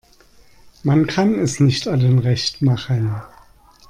Man kann es nicht allen recht machen.